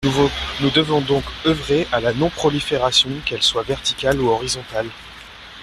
Nous devons donc œuvrer à la non-prolifération, qu’elle soit verticale ou horizontale.